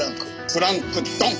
プランクトン。